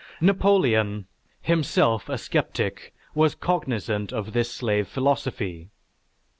Napoleon, himself a sceptic, was cognizant of this slave philosophy.